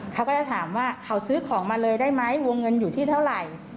เขาก็จะถามว่าเขาซื้อของมาเลยได้ไหมวงเงินอยู่ที่เท่าไหร่